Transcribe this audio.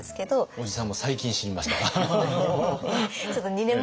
おじさんも最近知りました。